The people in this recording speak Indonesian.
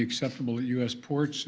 akan diakibatkan di port nya as